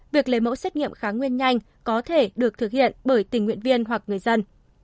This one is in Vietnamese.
việc lấy mẫu xét nghiệm kháng nguyên nhanh có thể được thực hiện bởi tình nguyện viên hoặc người dân